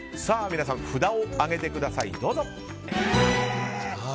皆さん、札を上げてください。